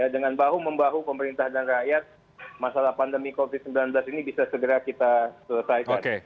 dengan bahu membahu pemerintah dan rakyat masalah pandemi covid sembilan belas ini bisa segera kita selesaikan